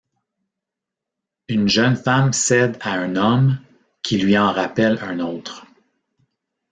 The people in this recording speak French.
Une jeune femme cède à un homme qui lui en rappelle un autre.